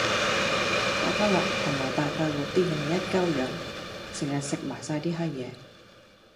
大家樂同埋大快活啲嘢食咪一鳩樣，成撚日食埋晒啲閪野